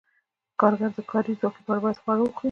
کارګر د کاري ځواک لپاره باید خواړه وخوري.